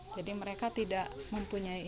jadi mereka tidak mempunyai ini